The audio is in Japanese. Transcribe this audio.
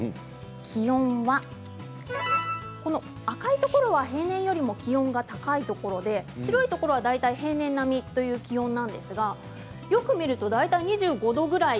気温は、この赤いところは平年よりも気温が高いところで白いところは大体、平年並みという気温なんですがよく見ると大体２５度くらい。